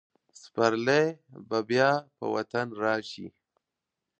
سپرلی به بیا په وطن راشي.